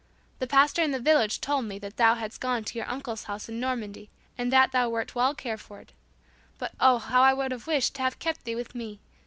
"The Pastor in the village told me that thou hadst gone to your uncle's house in Normandy, and that thou wert well cared for. But oh, how I would have wished to have kept thee with me.